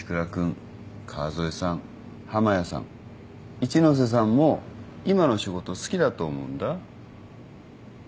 一ノ瀬さんも今の仕事好きだと思うんだ。